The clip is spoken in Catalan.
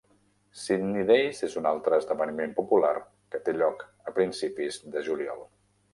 'Sidney days' és un altre esdeveniment popular que té lloc a principis de juliol.